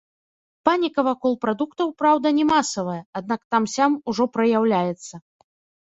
Паніка вакол прадуктаў, праўда, не масавая, аднак там-сям ужо праяўляецца.